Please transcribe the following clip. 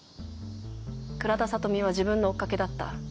倉田聡美は自分の追っ掛けだった。